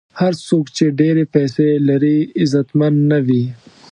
هر څوک چې ډېرې پیسې لري، عزتمن نه وي.